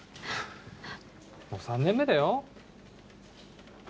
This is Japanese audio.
もう３年目だよ。